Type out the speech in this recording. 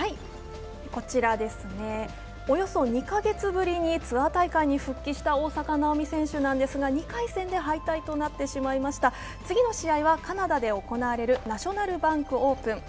こちらですね、およそ２カ月ぶりにツアー大会に復帰した大坂なおみ選手ですが２回戦で敗退となってしまいました次の試合はカナダで行われるナショナル・バンク・オープン。